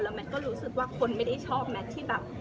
แมทก็รู้สึกว่าคนไม่ได้ชอบแมทที่แบบ